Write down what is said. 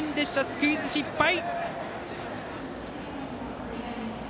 スクイズ失敗！